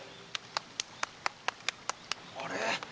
あれ？